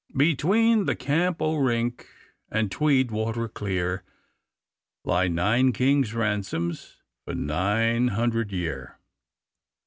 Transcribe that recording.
'Between the Camp o' Rink And Tweed water clear, Lie nine kings' ransoms For nine hundred year.